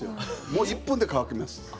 もう１分で乾きます。